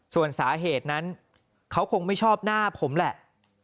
ส่วนสาเหตุนั้นเขาคงไม่ชอบหน้าผมแหละ